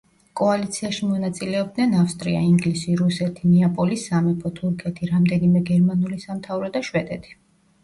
კოალიციაში მონაწილეობდნენ ავსტრია, ინგლისი, რუსეთი, ნეაპოლის სამეფო, თურქეთი, რამდენიმე გერმანული სამთავრო და შვედეთი.